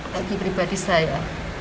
laki pribadi saya